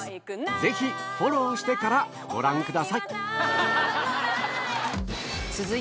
ぜひフォローしてからご覧ください。